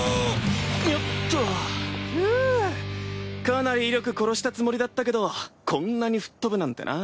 かなり威力殺したつもりだったけどこんなに吹っ飛ぶなんてな。